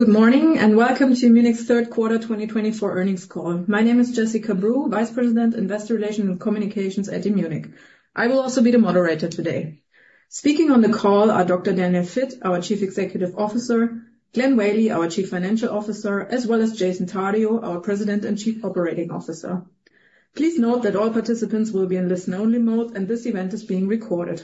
Good morning and welcome to Immunic's Third Quarter 2024 Earnings Call. My name is Jessica Breu, Vice President, Investor Relations and Communications at Immunic. I will also be the moderator today. Speaking on the call are Dr. Daniel Vitt, our Chief Executive Officer, Glenn Whaley, our Chief Financial Officer, as well as Jason Tardio, our President and Chief Operating Officer. Please note that all participants will be in listen-only mode and this event is being recorded.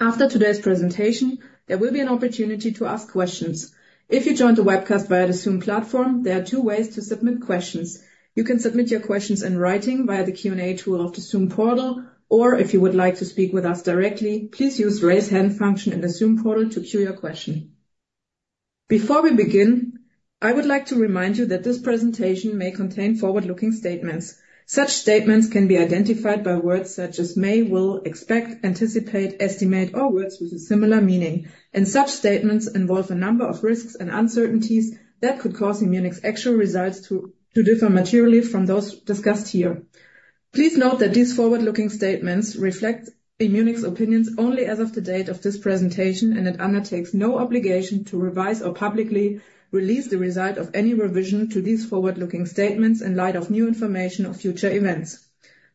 After today's presentation, there will be an opportunity to ask questions. If you joined the webcast via the Zoom platform, there are two ways to submit questions. You can submit your questions in writing via the Q&A tool of the Zoom portal, or if you would like to speak with us directly, please use the raise hand function in the Zoom portal to queue your question. Before we begin, I would like to remind you that this presentation may contain forward-looking statements. Such statements can be identified by words such as may, will, expect, anticipate, estimate, or words with a similar meaning. And such statements involve a number of risks and uncertainties that could cause Immunic's actual results to differ materially from those discussed here. Please note that these forward-looking statements reflect Immunic's opinions only as of the date of this presentation, and it undertakes no obligation to revise or publicly release the result of any revision to these forward-looking statements in light of new information or future events.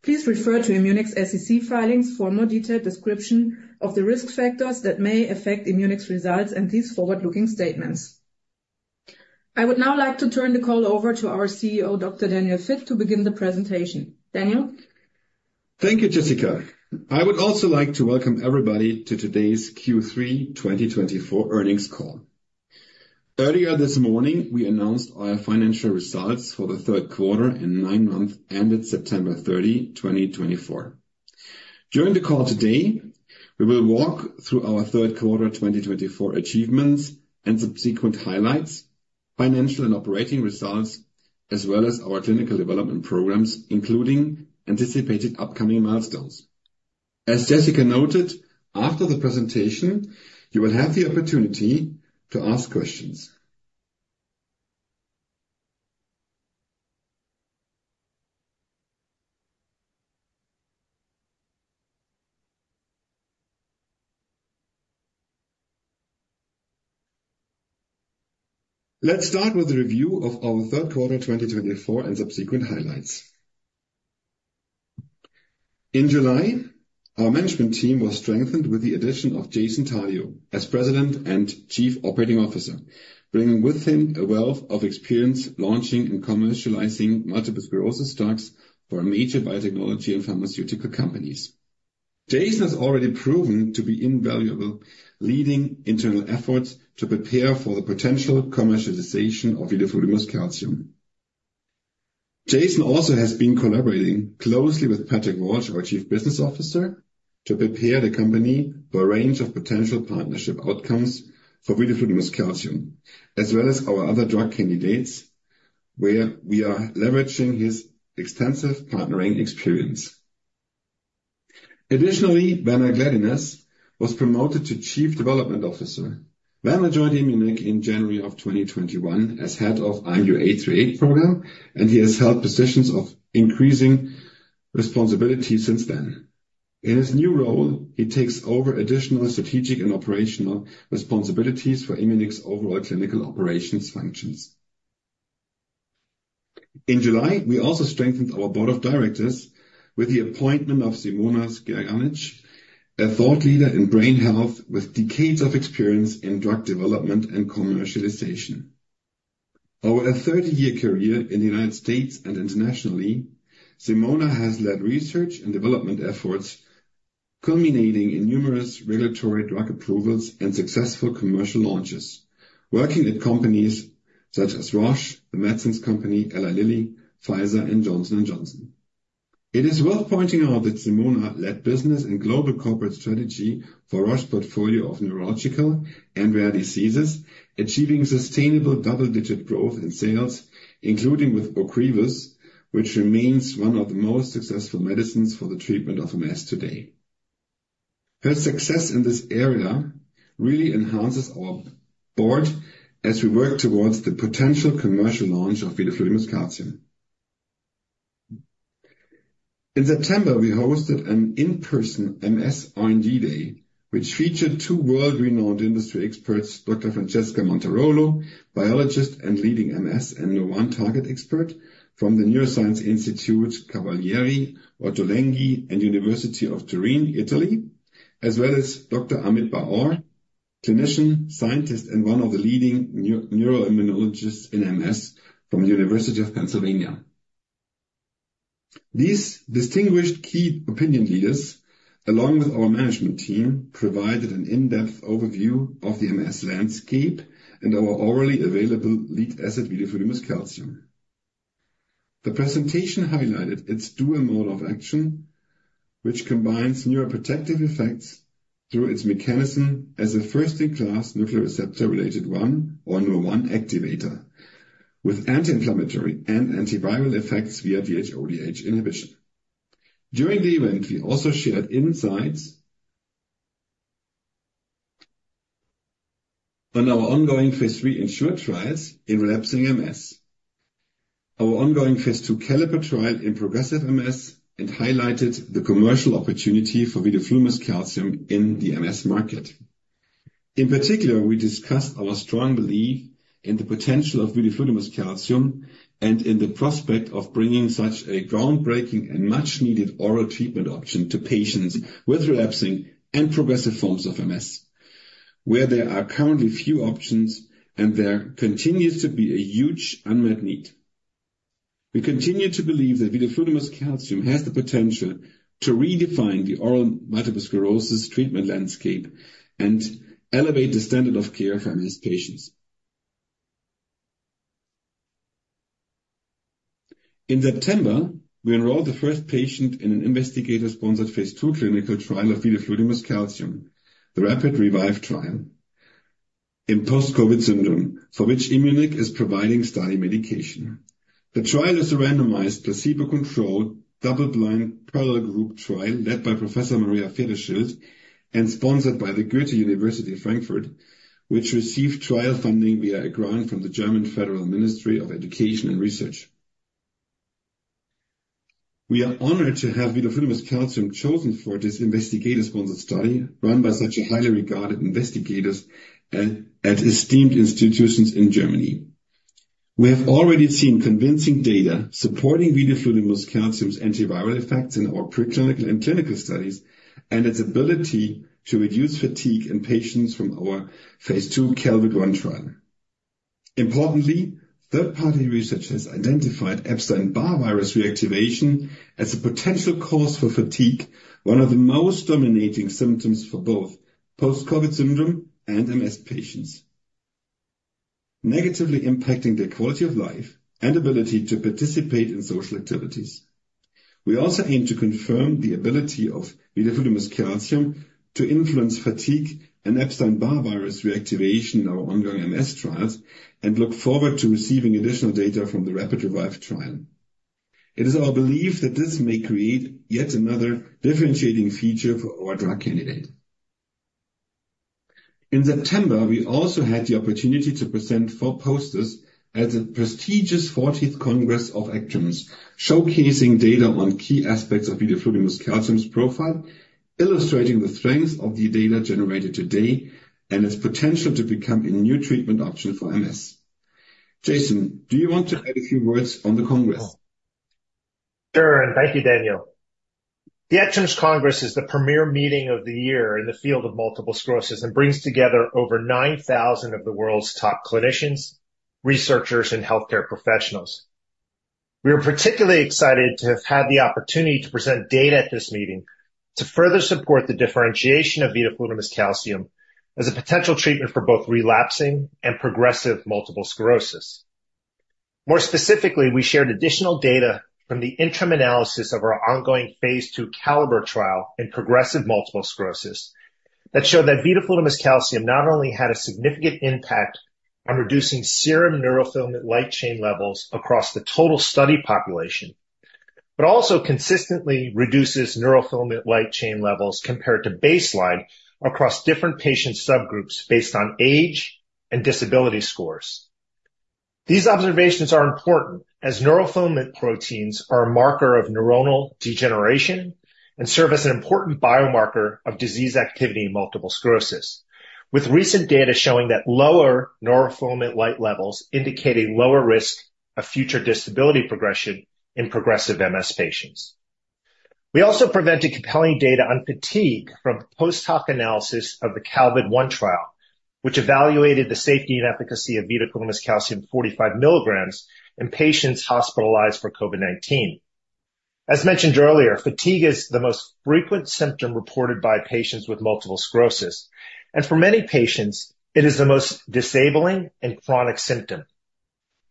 Please refer to Immunic's SEC filings for a more detailed description of the risk factors that may affect Immunic's results and these forward-looking statements. I would now like to turn the call over to our CEO, Dr. Daniel Vitt, to begin the presentation. Daniel? Thank you, Jessica. I would also like to welcome everybody to today's Q3 2024 earnings call. Earlier this morning, we announced our financial results for the third quarter and nine-month end at September 30, 2024. During the call today, we will walk through our third quarter 2024 achievements and subsequent highlights, financial and operating results, as well as our clinical development programs, including anticipated upcoming milestones. As Jessica noted, after the presentation, you will have the opportunity to ask questions. Let's start with the review of our third quarter 2024 and subsequent highlights. In July, our management team was strengthened with the addition of Jason Tardio as President and Chief Operating Officer, bringing with him a wealth of experience launching and commercializing multiple sclerosis drugs for major biotechnology and pharmaceutical companies. Jason has already proven to be invaluable, leading internal efforts to prepare for the potential commercialization of vidofludimus calcium. Jason also has been collaborating closely with Patrick Walsh, our Chief Business Officer, to prepare the company for a range of potential partnership outcomes for vidofludimus calcium, as well as our other drug candidates, where we are leveraging his extensive partnering experience. Additionally, Werner Gladdines was promoted to Chief Development Officer. Werner joined Immunic in January of 2021 as head of IMU-838 program, and he has held positions of increasing responsibility since then. In his new role, he takes over additional strategic and operational responsibilities for Immunic's overall clinical operations functions. In July, we also strengthened our board of directors with the appointment of Simona Skerjanec, a thought leader in brain health with decades of experience in drug development and commercialization. Over a 30-year career in the United States and internationally, Simona has led research and development efforts, culminating in numerous regulatory drug approvals and successful commercial launches, working at companies such as Roche, The Medicines Company, Eli Lilly, Pfizer, and Johnson & Johnson. It is worth pointing out that Simona led business and global corporate strategy for Roche's portfolio of neurological and rare diseases, achieving sustainable double-digit growth in sales, including with Ocrevus, which remains one of the most successful medicines for the treatment of MS today. Her success in this area really enhances our board as we work towards the potential commercial launch of vidofludimus calcium. In September, we hosted an in-person MS R&D day, which featured two world-renowned industry experts, Dr. Francesca Montarolo, biologist and leading MS and neurotarget expert from the Neuroscience Institute Cavalieri Ottolenghi and University of Turin, Italy, as well as Dr. Amit Bar-Or, clinician, scientist, and one of the leading neuroimmunologists in MS from the University of Pennsylvania. These distinguished key opinion leaders, along with our management team, provided an in-depth overview of the MS landscape and our already available lead asset, vidofludimus calcium. The presentation highlighted its dual mode of action, which combines neuroprotective effects through its mechanism as a first-in-class nuclear receptor related 1, or Nurr1 activator, with anti-inflammatory and antiviral effects via DHODH inhibition. During the event, we also shared insights on our ongoing phase 3 ENSURE trials in relapsing MS, our ongoing phase 2 CALLIPER trial in progressive MS, and highlighted the commercial opportunity for vidofludimus calcium in the MS market. In particular, we discussed our strong belief in the potential of vidofludimus calcium and in the prospect of bringing such a groundbreaking and much-needed oral treatment option to patients with relapsing and progressive forms of MS, where there are currently few options and there continues to be a huge unmet need. We continue to believe that vidofludimus calcium has the potential to redefine the oral multiple sclerosis treatment landscape and elevate the standard of care for MS patients. In September, we enrolled the first patient in an investigator-sponsored phase 2 clinical trial of vidofludimus calcium, the RAPID_REVIVE trial in post-COVID syndrome, for which Immunic is providing study medication. The trial is a randomized placebo-controlled double-blind parallel group trial led by Professor Maria Vehreschild and sponsored by the Goethe University Frankfurt, which received trial funding via a grant from the German Federal Ministry of Education and Research. We are honored to have vidofludimus calcium chosen for this investigator-sponsored study run by such highly regarded investigators at esteemed institutions in Germany. We have already seen convincing data supporting vidofludimus calcium's antiviral effects in our preclinical and clinical studies and its ability to reduce fatigue in patients from our phase 2 CALVID-1 trial. Importantly, third-party research has identified Epstein-Barr virus reactivation as a potential cause for fatigue, one of the most dominating symptoms for both post-COVID syndrome and MS patients, negatively impacting their quality of life and ability to participate in social activities. We also aim to confirm the ability of vidofludimus calcium to influence fatigue and Epstein-Barr virus reactivation in our ongoing MS trials and look forward to receiving additional data from the RAPID_REVIVE trial. It is our belief that this may create yet another differentiating feature for our drug candidate. In September, we also had the opportunity to present four posters at the prestigious 40th Congress of ACTRIMS, showcasing data on key aspects of vidofludimus calcium's profile, illustrating the strength of the data generated today and its potential to become a new treatment option for MS. Jason, do you want to add a few words on the congress? Sure, and thank you, Daniel. The ACTRIMS Congress is the premier meeting of the year in the field of multiple sclerosis and brings together over 9,000 of the world's top clinicians, researchers, and healthcare professionals. We are particularly excited to have had the opportunity to present data at this meeting to further support the differentiation of vidofludimus calcium as a potential treatment for both relapsing and progressive multiple sclerosis. More specifically, we shared additional data from the interim analysis of our ongoing phase 2 CALLIPER trial in progressive multiple sclerosis that showed that vidofludimus calcium not only had a significant impact on reducing serum neurofilament light chain levels across the total study population, but also consistently reduces neurofilament light chain levels compared to baseline across different patient subgroups based on age and disability scores. These observations are important as neurofilament light proteins are a marker of neuronal degeneration and serve as an important biomarker of disease activity in multiple sclerosis, with recent data showing that lower neurofilament light levels indicate a lower risk of future disability progression in progressive MS patients. We also presented compelling data on fatigue from post-hoc analysis of the CALVID-1 trial, which evaluated the safety and efficacy of vidofludimus calcium 45 milligrams in patients hospitalized for COVID-19. As mentioned earlier, fatigue is the most frequent symptom reported by patients with multiple sclerosis, and for many patients, it is the most disabling and chronic symptom.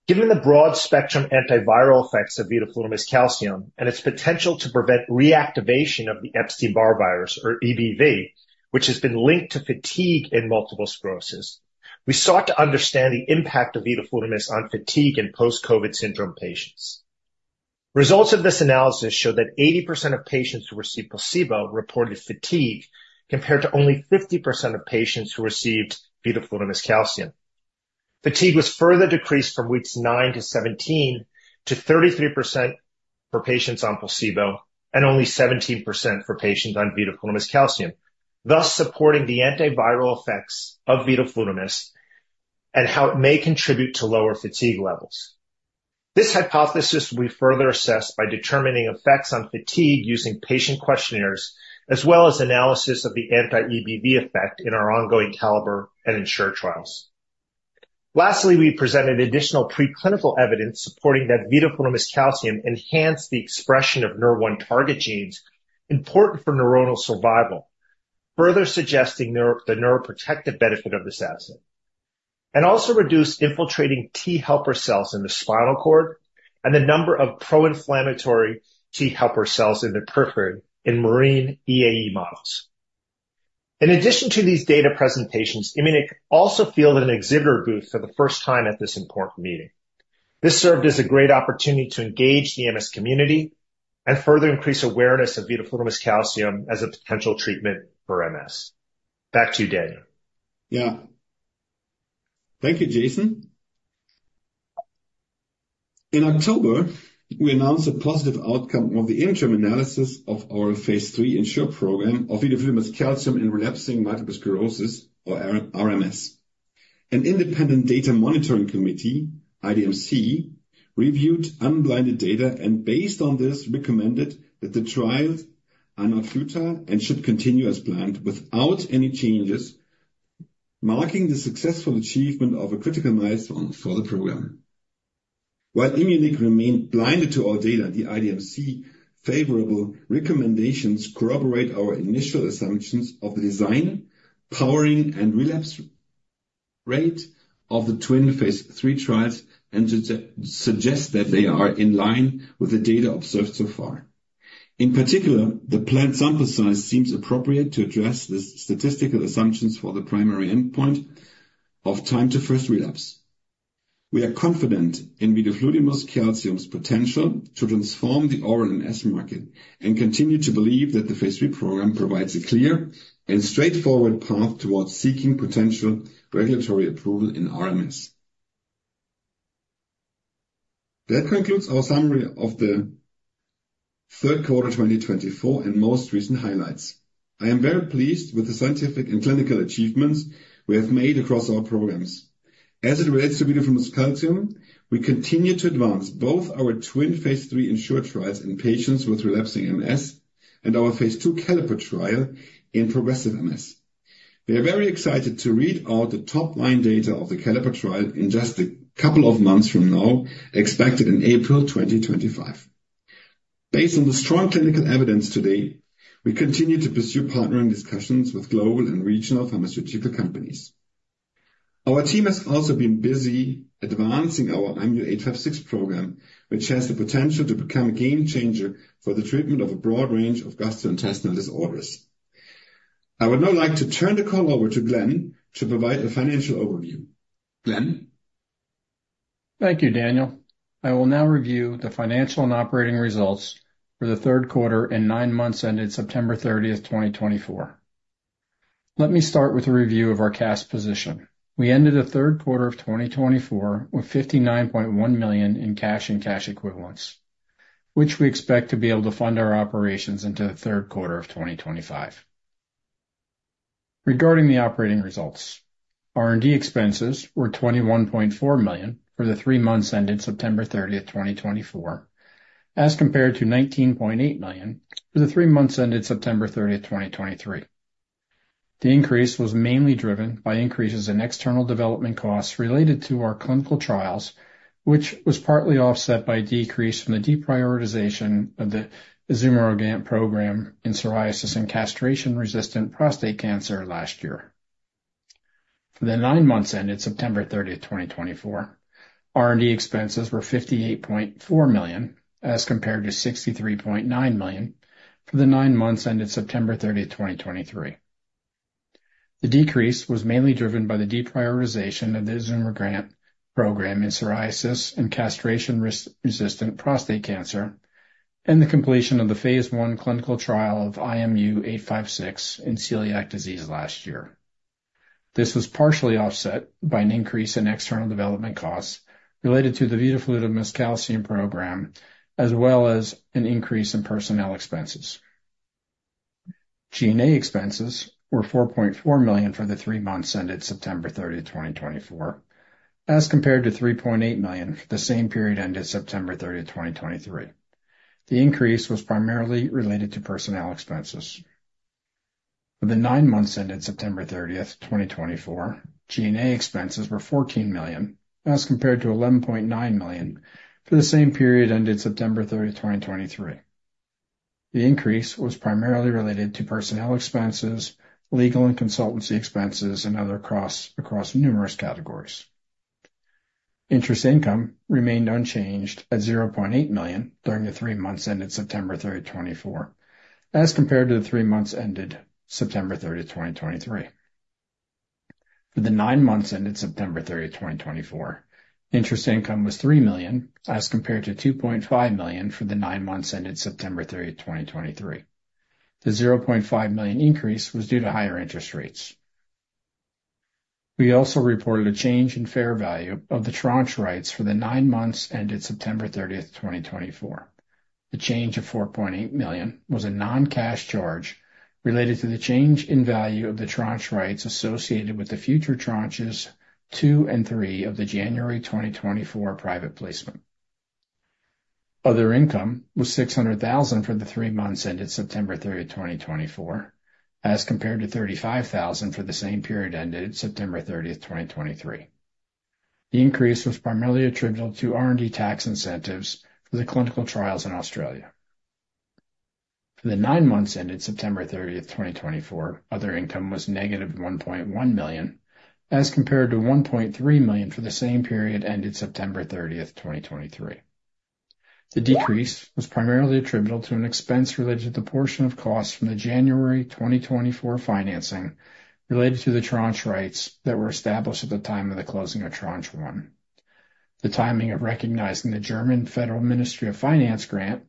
Given the broad spectrum antiviral effects of vidofludimus calcium and its potential to prevent reactivation of the Epstein-Barr virus, or EBV, which has been linked to fatigue in multiple sclerosis, we sought to understand the impact of vidofludimus on fatigue in post-COVID syndrome patients. Results of this analysis showed that 80% of patients who received placebo reported fatigue compared to only 50% of patients who received vidofludimus calcium. Fatigue was further decreased from weeks 9 to 17 to 33% for patients on placebo and only 17% for patients on vidofludimus calcium, thus supporting the antiviral effects of vidofludimus and how it may contribute to lower fatigue levels. This hypothesis will be further assessed by determining effects on fatigue using patient questionnaires, as well as analysis of the anti-EBV effect in our ongoing CALLIPER and ENSURE trials. Lastly, we presented additional preclinical evidence supporting that vidofludimus calcium enhanced the expression of Nurr1 target genes important for neuronal survival, further suggesting the neuroprotective benefit of this asset, and also reduced infiltrating T helper cells in the spinal cord and the number of pro-inflammatory T helper cells in the periphery in murine EAE models. In addition to these data presentations, Immunic also fielded an exhibitor booth for the first time at this important meeting. This served as a great opportunity to engage the MS community and further increase awareness of vidofludimus calcium as a potential treatment for MS. Back to you, Daniel. Yeah. Thank you, Jason. In October, we announced a positive outcome of the interim analysis of our phase 3 ENSURE program of vidofludimus calcium in relapsing Multiple Sclerosis, or RMS. An independent data monitoring committee, IDMC, reviewed unblinded data and based on this, recommended that the trials are not futile and should continue as planned without any changes, marking the successful achievement of a critical milestone for the program. While Immunic remained blinded to our data, the IDMC favorable recommendations corroborate our initial assumptions of the design, powering, and relapse rate of the twin phase 3 trials and suggest that they are in line with the data observed so far. In particular, the planned sample size seems appropriate to address the statistical assumptions for the primary endpoint of time to first relapse. We are confident in vidofludimus calcium's potential to transform the oral MS market and continue to believe that the phase 3 program provides a clear and straightforward path towards seeking potential regulatory approval in RMS. That concludes our summary of the third quarter 2024 and most recent highlights. I am very pleased with the scientific and clinical achievements we have made across our programs. As it relates to vidofludimus calcium, we continue to advance both our twin phase 3 ENSURE trials in patients with relapsing MS and our phase 2 CALLIPER trial in progressive MS. We are very excited to read all the top-line data of the CALLIPER trial in just a couple of months from now, expected in April 2025. Based on the strong clinical evidence today, we continue to pursue partnering discussions with global and regional pharmaceutical companies. Our team has also been busy advancing our IMU-856 program, which has the potential to become a game changer for the treatment of a broad range of gastrointestinal disorders. I would now like to turn the call over to Glenn to provide a financial overview. Glenn? Thank you, Daniel. I will now review the financial and operating results for the third quarter and nine months ended September 30, 2024. Let me start with a review of our cash position. We ended the third quarter of 2024 with $59.1 million in cash and cash equivalents, which we expect to be able to fund our operations into the third quarter of 2025. Regarding the operating results, R&D expenses were $21.4 million for the three months ended September 30, 2024, as compared to $19.8 million for the three months ended September 30, 2023. The increase was mainly driven by increases in external development costs related to our clinical trials, which was partly offset by a decrease from the deprioritization of the izencitinib program in psoriasis and castration-resistant prostate cancer last year. For the nine months ended September 30, 2024, R&D expenses were $58.4 million as compared to $63.9 million for the nine months ended September 30, 2023. The decrease was mainly driven by the deprioritization of the izencitinib program in psoriasis and castration-resistant prostate cancer and the completion of the phase 1 clinical trial of IMU-856 in celiac disease last year. This was partially offset by an increase in external development costs related to the vidofludimus calcium program, as well as an increase in personnel expenses. G&A expenses were $4.4 million for the three months ended September 30, 2024, as compared to $3.8 million for the same period ended September 30, 2023. The increase was primarily related to personnel expenses. For the nine months ended September 30, 2024, G&A expenses were $14 million as compared to $11.9 million for the same period ended September 30, 2023. The increase was primarily related to personnel expenses, legal and consultancy expenses, and other costs across numerous categories. Interest income remained unchanged at $0.8 million during the three months ended September 30, 2024, as compared to the three months ended September 30, 2023. For the nine months ended September 30, 2024, interest income was $3 million as compared to $2.5 million for the nine months ended September 30, 2023. The $0.5 million increase was due to higher interest rates. We also reported a change in fair value of the tranche rights for the nine months ended September 30, 2024. The change of $4.8 million was a non-cash charge related to the change in value of the tranche rights associated with the future tranches two and three of the January 2024 private placement. Other income was $600,000 for the three months ended September 30, 2024, as compared to $35,000 for the same period ended September 30, 2023. The increase was primarily attributable to R&D tax incentives for the clinical trials in Australia. For the nine months ended September 30, 2024, other income was -$1.1 million as compared to $1.3 million for the same period ended September 30, 2023. The decrease was primarily attributable to an expense related to the portion of costs from the January 2024 financing related to the tranche rights that were established at the time of the closing of tranche one, the timing of recognizing the German Federal Ministry of Finance grant,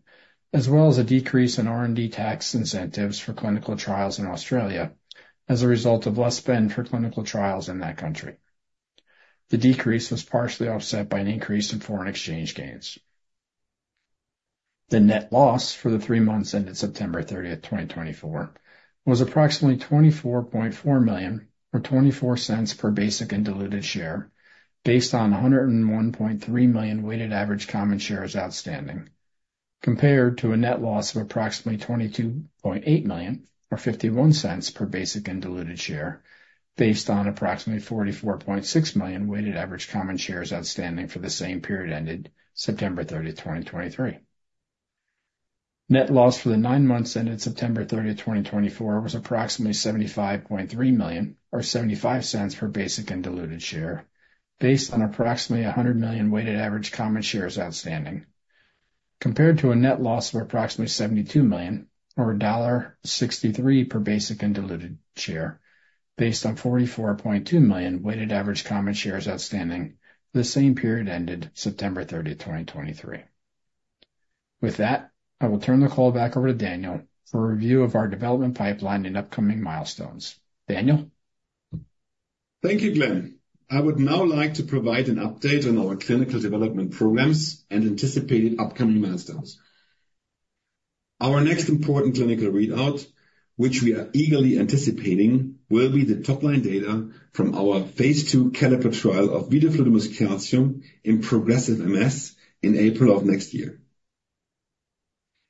as well as a decrease in R&D tax incentives for clinical trials in Australia as a result of less spend for clinical trials in that country. The decrease was partially offset by an increase in foreign exchange gains. The net loss for the three months ended September 30, 2024, was approximately $24.4 million or $0.24 per basic and diluted share based on 101.3 million weighted average common shares outstanding, compared to a net loss of approximately $22.8 million or $0.51 per basic and diluted share based on approximately 44.6 million weighted average common shares outstanding for the same period ended September 30, 2023. Net loss for the nine months ended September 30, 2024, was approximately $75.3 million or $0.75 per basic and diluted share based on approximately 100 million weighted average common shares outstanding, compared to a net loss of approximately $72 million or $1.63 per basic and diluted share based on 44.2 million weighted average common shares outstanding for the same period ended September 30, 2023. With that, I will turn the call back over to Daniel for a review of our development pipeline and upcoming milestones. Daniel? Thank you, Glenn. I would now like to provide an update on our clinical development programs and anticipated upcoming milestones. Our next important clinical readout, which we are eagerly anticipating, will be the top-line data from our Phase 2 CALLIPER trial of vidofludimus calcium in progressive MS in April of next year.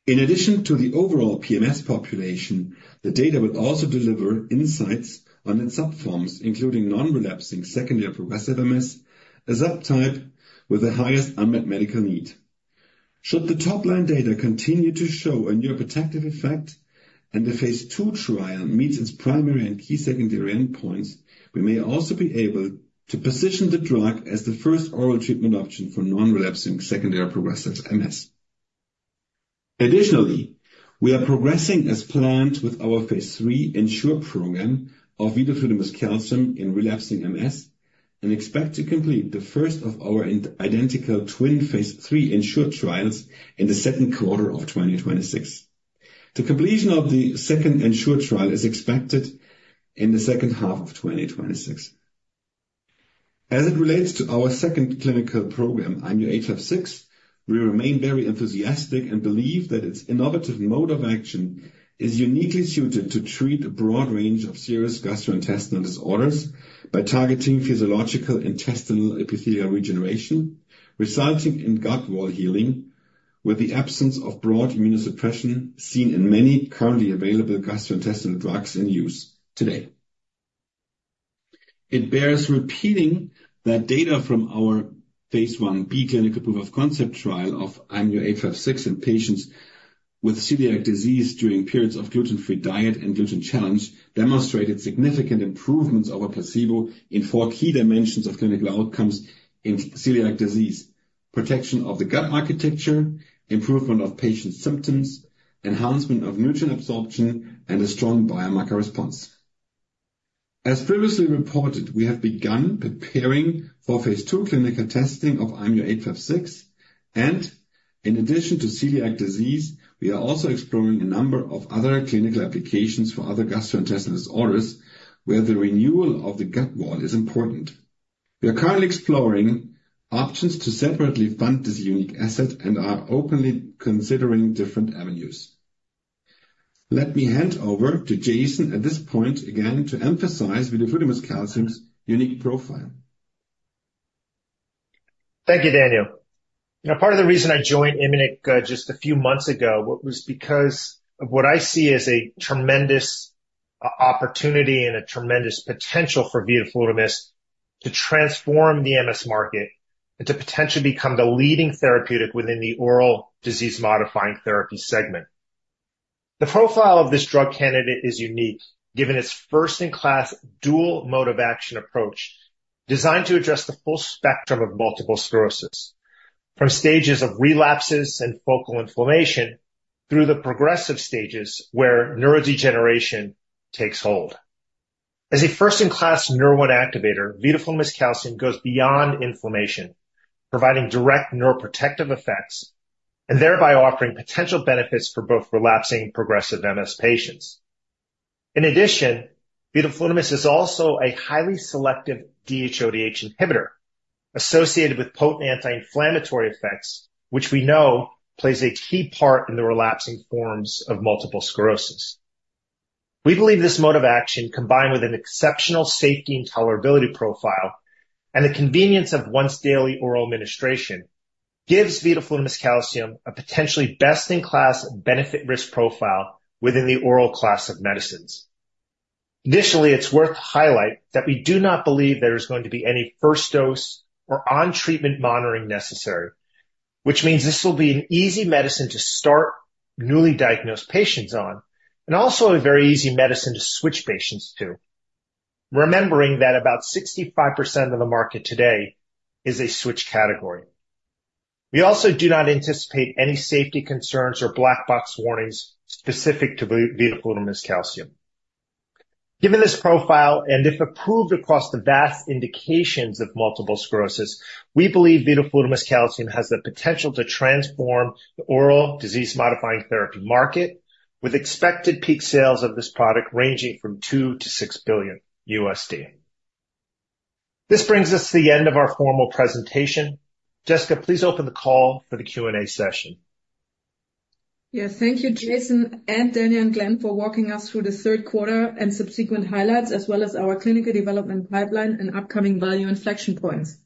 In addition to the overall PMS population, the data will also deliver insights on its subforms, including non-relapsing secondary progressive MS, a subtype with the highest unmet medical need. Should the top-line data continue to show a neuroprotective effect and the Phase 2 trial meets its primary and key secondary endpoints, we may also be able to position the drug as the first oral treatment option for non-relapsing secondary progressive MS. Additionally, we are progressing as planned with our phase 3 ENSURE program of vidofludimus calcium in relapsing MS and expect to complete the first of our identical twin phase 3 ENSURE trials in the second quarter of 2026. The completion of the second ENSURE trial is expected in the second half of 2026. As it relates to our second clinical program, IMU-856, we remain very enthusiastic and believe that its innovative mode of action is uniquely suited to treat a broad range of serious gastrointestinal disorders by targeting physiological intestinal epithelial regeneration, resulting in gut wall healing with the absence of broad immunosuppression seen in many currently available gastrointestinal drugs in use today. It bears repeating that data from our phase 1b clinical proof of concept trial of IMU-856 in patients with celiac disease during periods of gluten-free diet and gluten challenge demonstrated significant improvements over placebo in four key dimensions of clinical outcomes in celiac disease: protection of the gut architecture, improvement of patient symptoms, enhancement of nutrient absorption, and a strong biomarker response. As previously reported, we have begun preparing for phase 2 clinical testing of IMU-856, and in addition to celiac disease, we are also exploring a number of other clinical applications for other gastrointestinal disorders where the renewal of the gut wall is important. We are currently exploring options to separately fund this unique asset and are openly considering different avenues. Let me hand over to Jason at this point again to emphasize vidofludimus calcium's unique profile. Thank you, Daniel. You know, part of the reason I joined Immunic just a few months ago was because of what I see as a tremendous opportunity and a tremendous potential for vidofludimus to transform the MS market and to potentially become the leading therapeutic within the oral disease-modifying therapy segment. The profile of this drug candidate is unique given its first-in-class dual mode of action approach designed to address the full spectrum of Multiple Sclerosis, from stages of relapses and focal inflammation through the progressive stages where neurodegeneration takes hold. As a first-in-class neuro-activator, vidofludimus calcium goes beyond inflammation, providing direct neuroprotective effects and thereby offering potential benefits for both relapsing and progressive MS patients. In addition, vidofludimus is also a highly selective DHODH inhibitor associated with potent anti-inflammatory effects, which we know plays a key part in the relapsing forms of Multiple Sclerosis. We believe this mode of action, combined with an exceptional safety and tolerability profile and the convenience of once-daily oral administration, gives vidofludimus calcium a potentially best-in-class benefit-risk profile within the oral class of medicines. Additionally, it's worth highlighting that we do not believe there is going to be any first dose or on-treatment monitoring necessary, which means this will be an easy medicine to start newly diagnosed patients on and also a very easy medicine to switch patients to, remembering that about 65% of the market today is a switch category. We also do not anticipate any safety concerns or black box warnings specific to vidofludimus calcium. Given this profile and if approved across the vast indications of multiple sclerosis, we believe vidofludimus calcium has the potential to transform the oral disease-modifying therapy market, with expected peak sales of this product ranging from $2-$6 billion. This brings us to the end of our formal presentation. Jessica, please open the call for the Q&A session. Yes, thank you, Jason and Daniel and Glenn, for walking us through the third quarter and subsequent highlights, as well as our clinical development pipeline and upcoming value inflection points.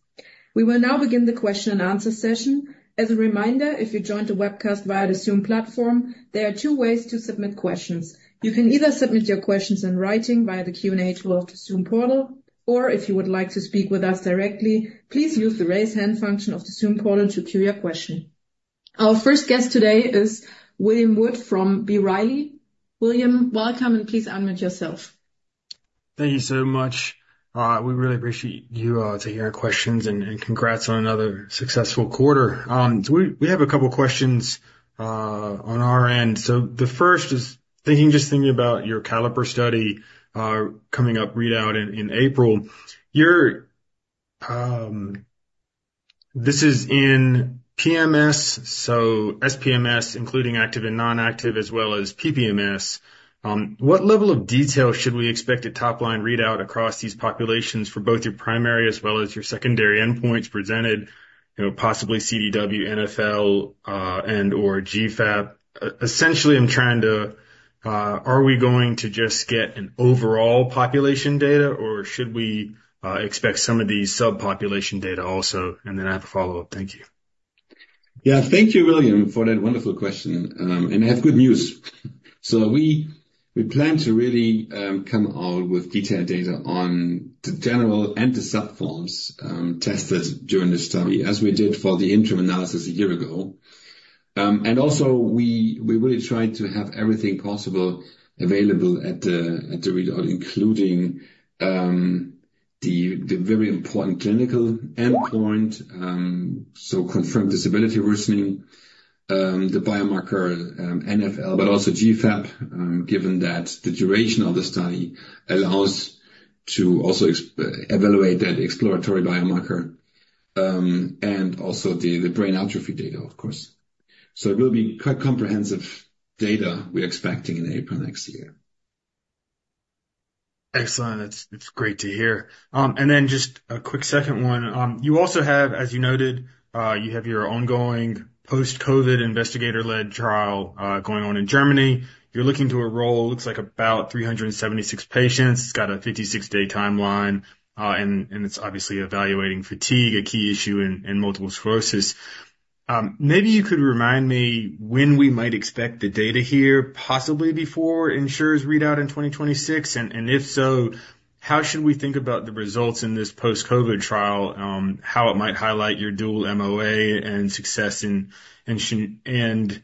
We will now begin the question-and-answer session. As a reminder, if you joined the webcast via the Zoom platform, there are two ways to submit questions. You can either submit your questions in writing via the Q&A tool of the Zoom portal, or if you would like to speak with us directly, please use the raise hand function of the Zoom portal to queue your question. Our first guest today is William Wood from B. Riley Securities. William, welcome, and please unmute yourself. Thank you so much. We really appreciate you all taking our questions and congrats on another successful quarter. We have a couple of questions on our end. So the first is thinking, just thinking about your CALLIPER study coming up readout in April. This is in PMS, so SPMS, including active and non-active, as well as PPMS. What level of detail should we expect at top-line readout across these populations for both your primary as well as your secondary endpoints presented, you know, possibly CDW, NfL, and/or GFAP? Essentially, I'm trying to, are we going to just get an overall population data, or should we expect some of these subpopulation data also? And then I have a follow-up. Thank you. Yeah, thank you, William, for that wonderful question. And I have good news. So we plan to really come out with detailed data on the general and the subforms tested during this study, as we did for the interim analysis a year ago. And also, we really tried to have everything possible available at the readout, including the very important clinical endpoint, so confirmed disability worsening, the biomarker NfL, but also GFAP, given that the duration of the study allows to also evaluate that exploratory biomarker and also the brain atrophy data, of course. So it will be quite comprehensive data we're expecting in April next year. Excellent. It's great to hear. And then just a quick second one. You also have, as you noted, you have your ongoing post-COVID investigator-led trial going on in Germany. You're looking to enroll, looks like about 376 patients. It's got a 56-day timeline, and it's obviously evaluating fatigue, a key issue in multiple sclerosis. Maybe you could remind me when we might expect the data here, possibly before ENSURE's readout in 2026? And if so, how should we think about the results in this post-COVID trial, how it might highlight your dual MOA and success in ENSURE? And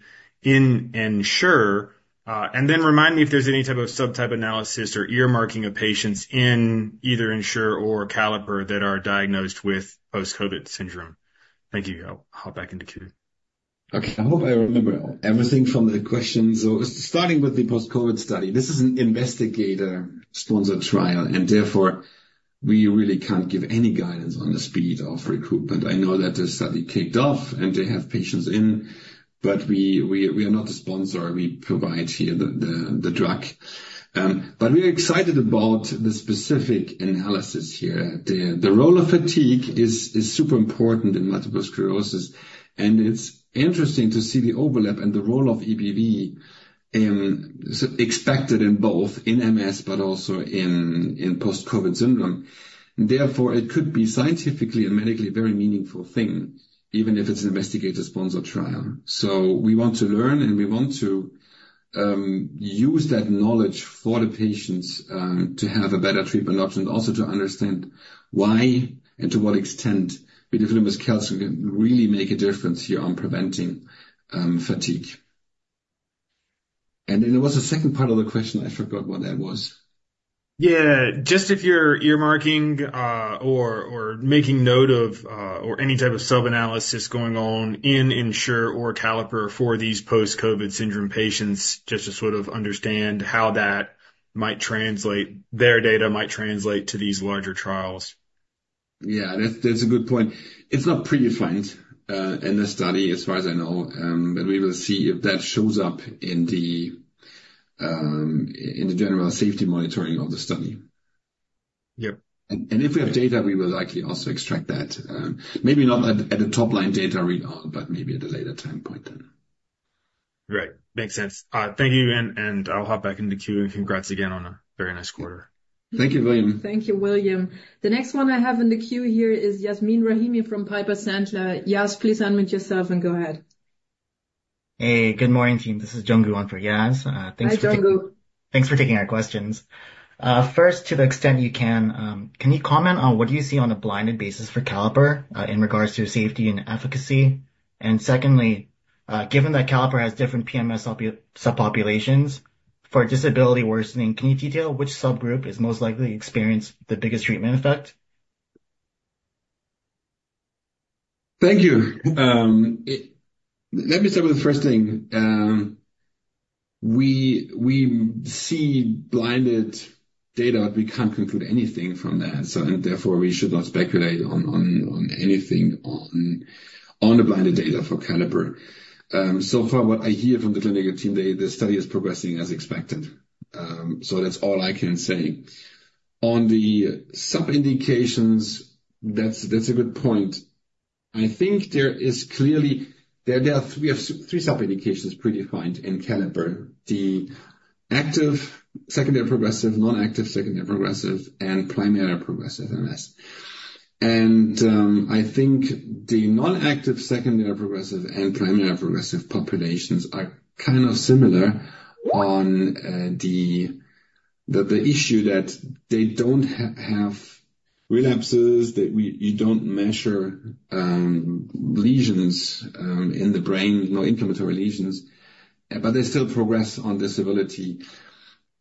then remind me if there's any type of subtype analysis or earmarking of patients in either ENSURE or CALLIPER that are diagnosed with post-COVID syndrome. Thank you. I'll hop back into Q. Okay. I hope I remember everything from the questions. So starting with the post-COVID study, this is an investigator-sponsored trial, and therefore we really can't give any guidance on the speed of recruitment. I know that the study kicked off and they have patients in, but we are not the sponsor. We provide here the drug. But we're excited about the specific analysis here. The role of fatigue is super important in Multiple Sclerosis, and it's interesting to see the overlap and the role of EBV expected in both in MS, but also in post-COVID syndrome. Therefore, it could be scientifically and medically a very meaningful thing, even if it's an investigator-sponsored trial. So we want to learn, and we want to use that knowledge for the patients to have a better treatment option and also to understand why and to what extent vidofludimus calcium can really make a difference here on preventing fatigue. And then there was a second part of the question. I forgot what that was. Yeah, just if you're earmarking or making note of or any type of sub-analysis going on in ENSURE or CALLIPER for these post-COVID syndrome patients, just to sort of understand how that might translate, their data might translate to these larger trials? Yeah, that's a good point. It's not predefined in the study, as far as I know, but we will see if that shows up in the general safety monitoring of the study. Yep. And if we have data, we will likely also extract that. Maybe not at the top-line data readout, but maybe at a later time point then. Great. Makes sense. Thank you, and I'll hop back into Q, and congrats again on a very nice quarter. Thank you, William. Thank you, William. The next one I have in the Q here is Yasmin Rahimi from Piper Sandler. Yas, please unmute yourself and go ahead. Hey, good morning, team. This is Jung-gu for Yas. Thanks for taking our questions. First, to the extent you can, can you comment on what you see on a blinded basis for CALLIPER in regards to safety and efficacy? And secondly, given that CALLIPER has different PMS subpopulations for disability worsening, can you detail which subgroup is most likely to experience the biggest treatment effect? Thank you. Let me start with the first thing. We see blinded data, but we can't conclude anything from that. And therefore, we should not speculate on anything on the blinded data for CALLIPER. So far, what I hear from the clinical team, the study is progressing as expected. So that's all I can say. On the sub-indications, that's a good point. I think there is clearly, there are three sub-indications predefined in CALLIPER: the active secondary progressive, non-active secondary progressive, and primary progressive MS. And I think the non-active secondary progressive and primary progressive populations are kind of similar on the issue that they don't have relapses, that you don't measure lesions in the brain, no inflammatory lesions, but they still progress on disability.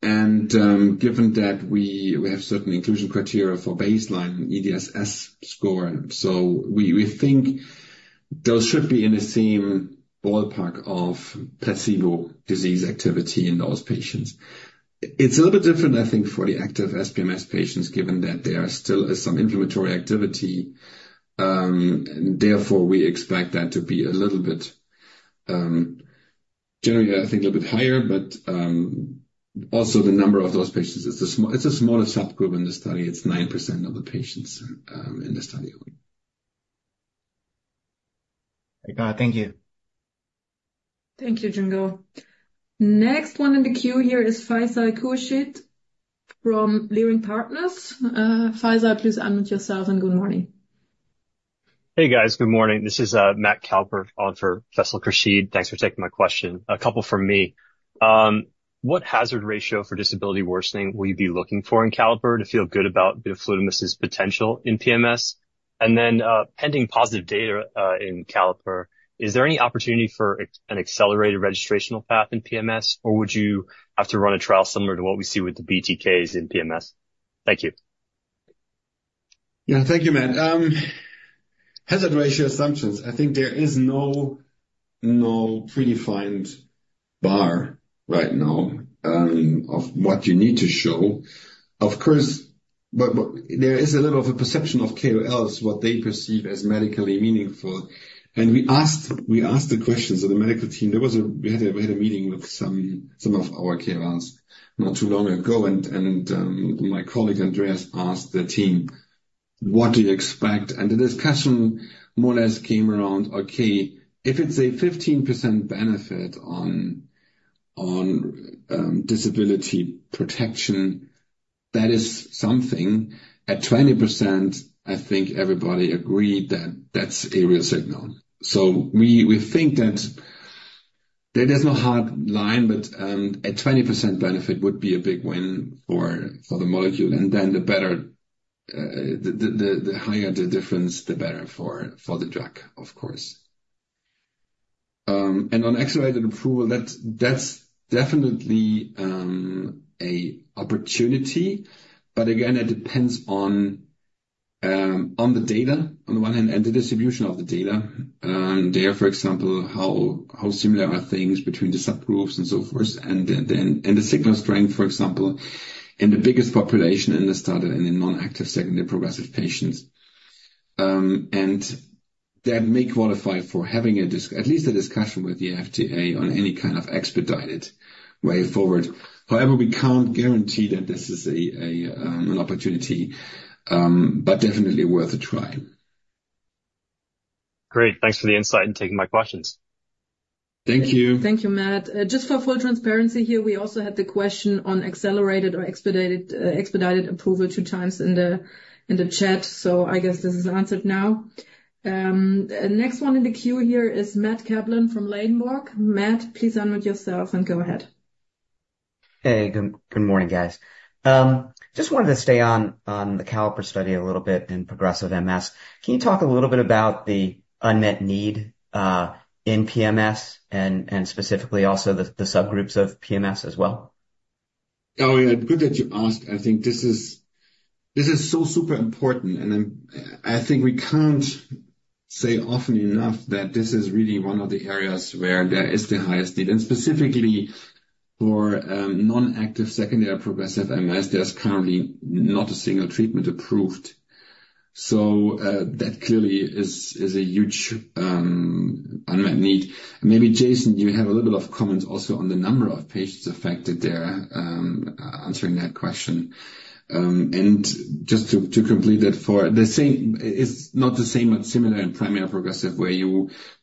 Given that we have certain inclusion criteria for baseline EDSS score, so we think those should be in the same ballpark of placebo disease activity in those patients. It's a little bit different, I think, for the active SPMS patients, given that there is still some inflammatory activity. Therefore, we expect that to be a little bit, generally, I think a little bit higher, but also the number of those patients is the smallest subgroup in the study. It's nine% of the patients in the study. Thank you. Thank you, Jung-gu. Next one in the Q here is Faisal Khurshid from Leerink Partners. Faisal, please unmute yourself and good morning. Hey, guys. Good morning. This is Matt Cowper for Faisal Khurshid. Thanks for taking my question. A couple from me. What hazard ratio for disability worsening will you be looking for in CALLIPER to feel good about vidofludimus's potential in PMS? And then pending positive data in CALLIPER, is there any opportunity for an accelerated registrational path in PMS, or would you have to run a trial similar to what we see with the BTKs in PMS? Thank you. Yeah, thank you, Matt. Hazard ratio assumptions. I think there is no predefined bar right now of what you need to show. Of course, there is a little bit of a perception of KOLs, what they perceive as medically meaningful. And we asked the questions of the medical team. We had a meeting with some of our KOLs not too long ago, and my colleague Andreas asked the team, "What do you expect?" And the discussion more or less came around, "Okay, if it's a 15% benefit on disability protection, that is something." At 20%, I think everybody agreed that that's a real signal. So we think that there's no hard line, but a 20% benefit would be a big win for the molecule. And then the better, the higher the difference, the better for the drug, of course. And on accelerated approval, that's definitely an opportunity. But again, it depends on the data on the one hand and the distribution of the data. There, for example, how similar are things between the subgroups and so forth, and the signal strength, for example, in the biggest population in the study and in non-active secondary progressive patients. And that may qualify for having at least a discussion with the FDA on any kind of expedited way forward. However, we can't guarantee that this is an opportunity, but definitely worth a try. Great. Thanks for the insight and taking my questions. Thank you. Thank you, Matt. Just for full transparency here, we also had the question on accelerated or expedited approval two times in the chat. So I guess this is answered now. Next one in the Q here is Matt Kaplan from Ladenburg. Matt, please unmute yourself and go ahead. Hey, good morning, guys. Just wanted to stay on the CALLIPER study a little bit in progressive MS. Can you talk a little bit about the unmet need in PMS and specifically also the subgroups of PMS as well? Oh, yeah. Good that you asked. I think this is so super important. And I think we can't say often enough that this is really one of the areas where there is the highest need. And specifically for non-active secondary progressive MS, there's currently not a single treatment approved. So that clearly is a huge unmet need. Maybe Jason, you have a little bit of comments also on the number of patients affected there answering that question. And just to complete that, for the same, it's not the same, but similar in primary progressive where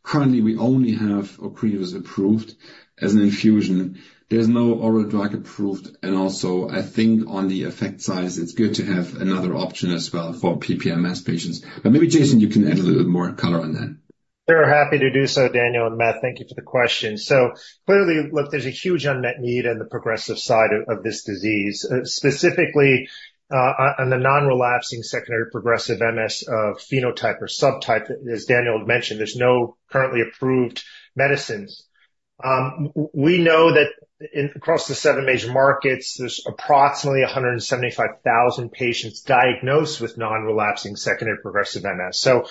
currently we only have Ocrevus approved as an infusion. There's no oral drug approved. And also, I think on the effect size, it's good to have another option as well for PPMS patients. But maybe Jason, you can add a little bit more color on that. Sure. Happy to do so, Daniel and Matt. Thank you for the question. So clearly, look, there's a huge unmet need on the progressive side of this disease, specifically on the non-relapsing secondary progressive MS phenotype or subtype. As Daniel mentioned, there's no currently approved medicines. We know that across the seven major markets, there's approximately 175,000 patients diagnosed with non-relapsing secondary progressive MS. So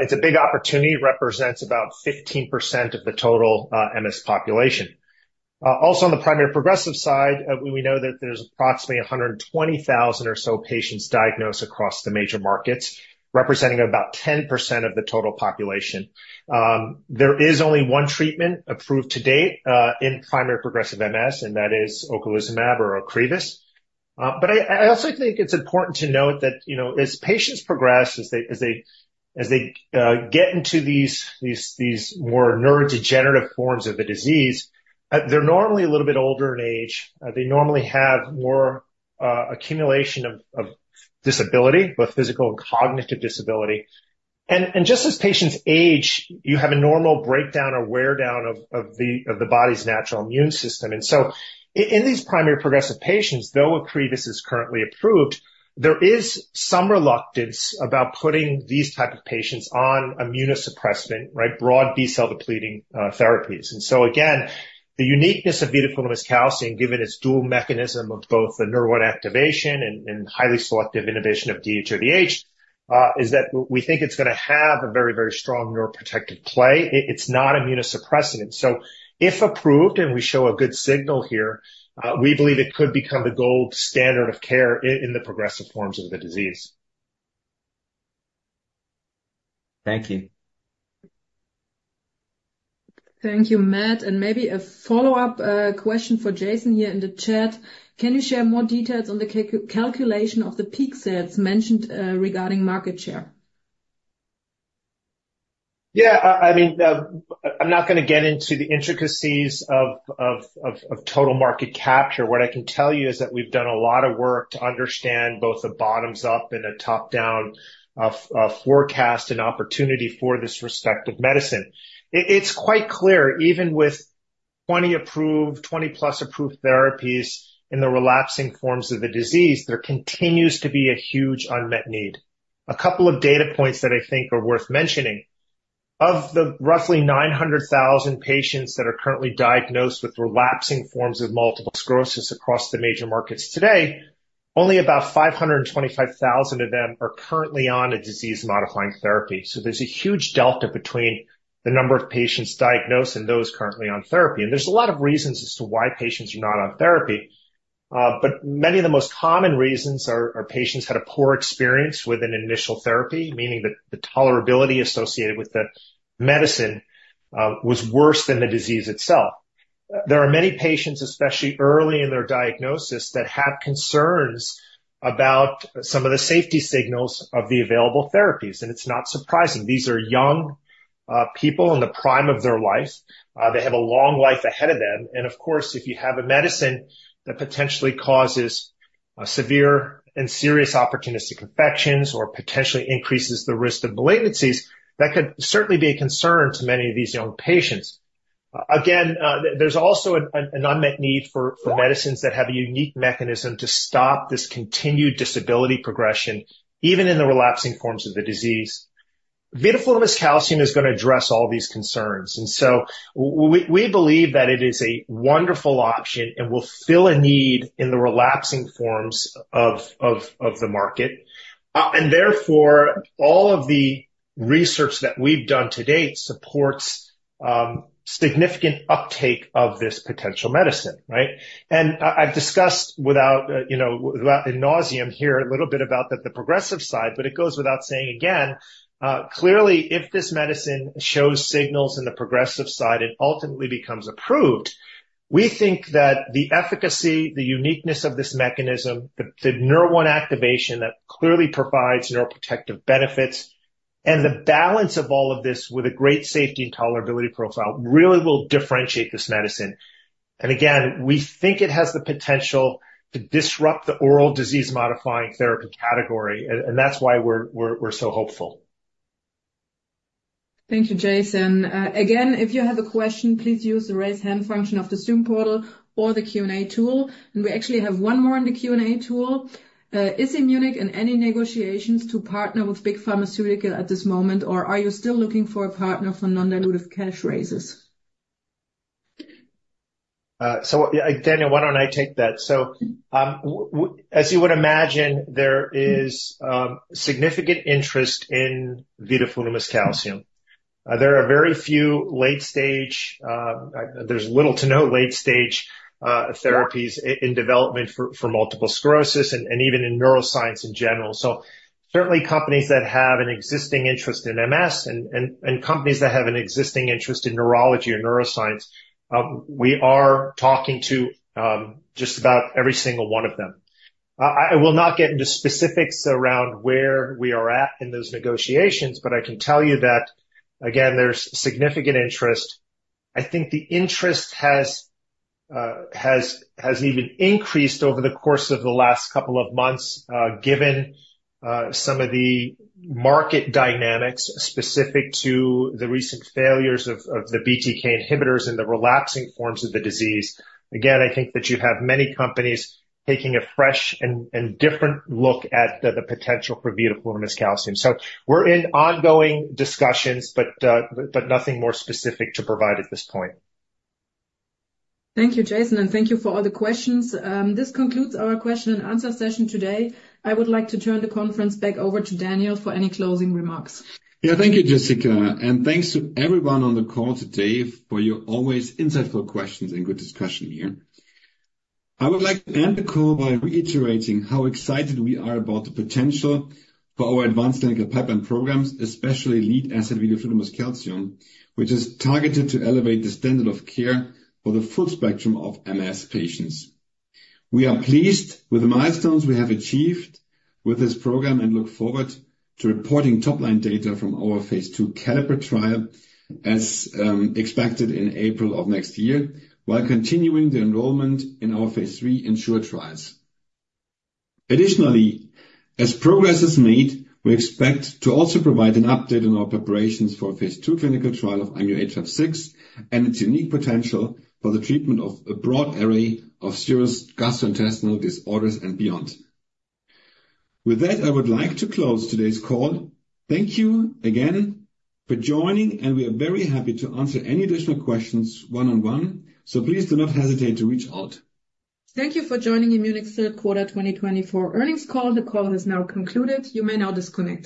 it's a big opportunity. It represents about 15% of the total MS population. Also, on the primary progressive side, we know that there's approximately 120,000 or so patients diagnosed across the major markets, representing about 10% of the total population. There is only one treatment approved to date in primary progressive MS, and that is ocrelizumab or Ocrevus. But I also think it's important to note that as patients progress, as they get into these more neurodegenerative forms of the disease, they're normally a little bit older in age. They normally have more accumulation of disability, both physical and cognitive disability. And just as patients age, you have a normal breakdown or wear down of the body's natural immune system. And so in these primary progressive patients, though Ocrevus is currently approved, there is some reluctance about putting these types of patients on immunosuppressant, right, broad B-cell depleting therapies. And so again, the uniqueness of vidofludimus calcium, given its dual mechanism of both the neuron activation and highly selective inhibition of DHODH, is that we think it's going to have a very, very strong neuroprotective play. It's not immunosuppressant. And so if approved and we show a good signal here, we believe it could become the gold standard of care in the progressive forms of the disease. Thank you. Thank you, Matt. And maybe a follow-up question for Jason here in the chat. Can you share more details on the calculation of the peak sales mentioned regarding market share? Yeah. I mean, I'm not going to get into the intricacies of total market capture. What I can tell you is that we've done a lot of work to understand both a bottoms-up and a top-down forecast and opportunity for this respective medicine. It's quite clear, even with 20-plus approved therapies in the relapsing forms of the disease, there continues to be a huge unmet need. A couple of data points that I think are worth mentioning. Of the roughly 900,000 patients that are currently diagnosed with relapsing forms of multiple sclerosis across the major markets today, only about 525,000 of them are currently on a disease-modifying therapy. So there's a huge delta between the number of patients diagnosed and those currently on therapy. And there's a lot of reasons as to why patients are not on therapy. But many of the most common reasons are patients had a poor experience with an initial therapy, meaning that the tolerability associated with the medicine was worse than the disease itself. There are many patients, especially early in their diagnosis, that have concerns about some of the safety signals of the available therapies. And it's not surprising. These are young people in the prime of their life. They have a long life ahead of them. And of course, if you have a medicine that potentially causes severe and serious opportunistic infections or potentially increases the risk of malignancies, that could certainly be a concern to many of these young patients. Again, there's also an unmet need for medicines that have a unique mechanism to stop this continued disability progression, even in the relapsing forms of the disease. Vidofludimus calcium is going to address all these concerns. We believe that it is a wonderful option and will fill a need in the relapsing forms of the market. Therefore, all of the research that we've done to date supports significant uptake of this potential medicine, right? I've discussed ad nauseam here a little bit about the progressive side, but it goes without saying, again, clearly, if this medicine shows signals in the progressive side and ultimately becomes approved, we think that the efficacy, the uniqueness of this mechanism, the neuron activation that clearly provides neuroprotective benefits, and the balance of all of this with a great safety and tolerability profile really will differentiate this medicine. Again, we think it has the potential to disrupt the oral disease-modifying therapy category. That's why we're so hopeful. Thank you, Jason. Again, if you have a question, please use the raise hand function of the Zoom portal or the Q&A tool. And we actually have one more in the Q&A tool. Is Immunic in any negotiations to partner with Big Pharmaceutical at this moment, or are you still looking for a partner for non-dilutive cash raises? So Daniel, why don't I take that? As you would imagine, there is significant interest in vidofludimus calcium. There's little to no late-stage therapies in development for multiple sclerosis and even in neuroscience in general. Certainly companies that have an existing interest in MS and companies that have an existing interest in neurology or neuroscience, we are talking to just about every single one of them. I will not get into specifics around where we are at in those negotiations, but I can tell you that, again, there's significant interest. I think the interest has even increased over the course of the last couple of months, given some of the market dynamics specific to the recent failures of the BTK inhibitors in the relapsing forms of the disease. Again, I think that you have many companies taking a fresh and different look at the potential for vidofludimus calcium. So we're in ongoing discussions, but nothing more specific to provide at this point. Thank you, Jason. And thank you for all the questions. This concludes our question and answer session today. I would like to turn the conference back over to Daniel for any closing remarks. Yeah, thank you, Jessica, and thanks to everyone on the call today for your always insightful questions and good discussion here. I would like to end the call by reiterating how excited we are about the potential for our advanced clinical pipeline programs, especially lead asset vidofludimus calcium, which is targeted to elevate the standard of care for the full spectrum of MS patients. We are pleased with the milestones we have achieved with this program and look forward to reporting top-line data from our phase 2 CALLIPER trial, as expected in April of next year, while continuing the enrollment in our phase 3 ENSURE trials. Additionally, as progress is made, we expect to also provide an update on our preparations for phase 2 clinical trial of IMU-856 and its unique potential for the treatment of a broad array of serious gastrointestinal disorders and beyond. With that, I would like to close today's call. Thank you again for joining, and we are very happy to answer any additional questions one-on-one. So please do not hesitate to reach out. Thank you for joining Immunic's Third Quarter 2024 Earnings Call. The call has now concluded. You may now disconnect.